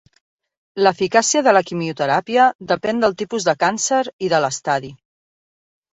L'eficàcia de la quimioteràpia depèn del tipus de càncer i de l'estadi.